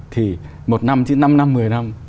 thì một năm năm năm một mươi năm